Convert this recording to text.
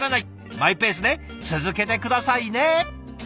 マイペースで続けて下さいね。